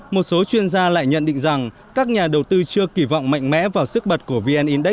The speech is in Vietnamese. một số chuyên gia lại nhận định rằng các nhà đầu tư chưa kỳ vọng mạnh mẽ vào sức bật của vn index